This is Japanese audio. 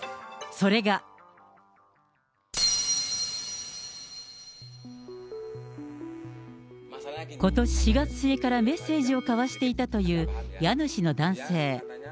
それが。ことし４月末からメッセージを交わしていたという家主の男性。